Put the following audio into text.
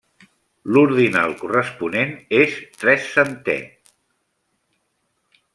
L'ordinal corresponent és tres-centè.